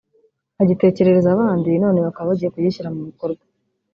agitekerereza abandi none bakaba bagiye kugishyira mu bikorwa